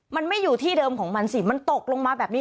มันไม่อยู่ที่เดิมของมันสิมันตกลงมาแบบนี้